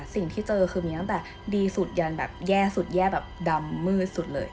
สิ่งที่เจอคือมีตั้งแต่ดีสุดยันแบบแย่สุดแย่แบบดำมืดสุดเลย